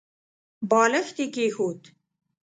بالښت يې کېښود.